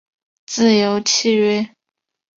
自由契约。